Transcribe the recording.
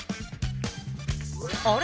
あれ？